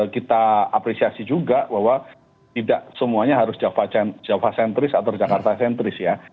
kita apresiasi juga bahwa tidak semuanya harus java centris atau jakarta sentris ya